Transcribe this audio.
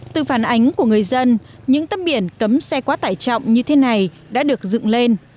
từ phản ánh của người dân những tâm biển cấm xe quá tải trọng như thế này đã được dựng lên